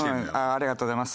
ありがとうございます。